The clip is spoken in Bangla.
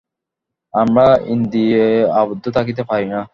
আমরা ইন্দ্রিয়ে আবদ্ধ থাকিতে পারি না।